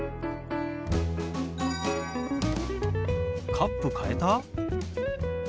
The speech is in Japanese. カップ変えた？